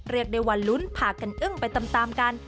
เรียกได้ว่าลุ้นพากันอึ้งไปตามกัน